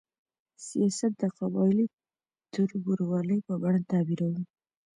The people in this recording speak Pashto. سیاست د قبایلي تربورولۍ په بڼه تعبیروو.